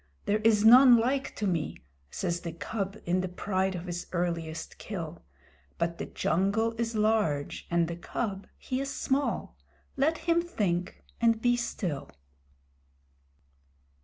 "There is none like to me!" says the Cub in the pride of his earliest kill; But the jungle is large and the Cub he is small. Let him think and be still.